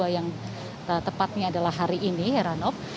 yang tepatnya adalah hari ini heranov